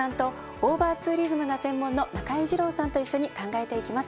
オーバーツーリズムが専門の中井治郎さんと一緒に考えていきます。